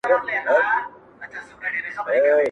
اورنګ زېب ویل پر ما یو نصیحت دی!.